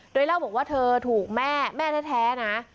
โดยเล่าบอกว่าเธอถูกแม่แม่แท้นะ